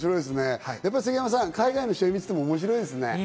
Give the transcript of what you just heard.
杉山さん、海外の試合を見ていても面白いですね。